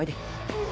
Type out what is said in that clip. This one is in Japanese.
うん。